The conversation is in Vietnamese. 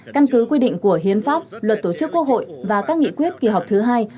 căn cứ quy định của hiến pháp luật tổ chức quốc hội và các nghị quyết kỳ họp thứ hai